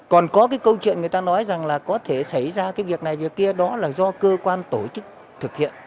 còn có cái câu chuyện người ta nói rằng là có thể xảy ra cái việc này việc kia đó là do cơ quan tổ chức thực hiện